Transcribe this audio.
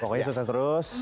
pokoknya sukses terus